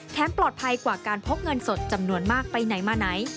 ปลอดภัยกว่าการพกเงินสดจำนวนมากไปไหนมาไหน